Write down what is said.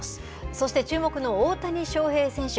そして注目の大谷翔平選手。